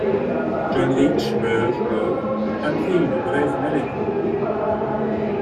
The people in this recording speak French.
John Rich meurt le après une brève maladie.